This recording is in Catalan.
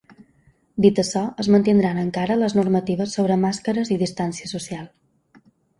Dit això, es mantindran encara les normatives sobre màscares i distància social.